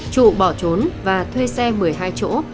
trụ bỏ trốn và thuê xe một mươi hai chỗ